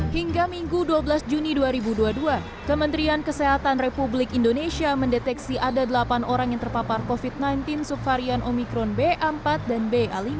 hingga minggu dua belas juni dua ribu dua puluh dua kementerian kesehatan republik indonesia mendeteksi ada delapan orang yang terpapar covid sembilan belas subvarian omikron b empat dan b lima